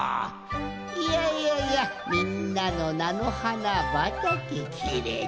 いやいやいやみんなのなのはなばたけきれいじゃのう。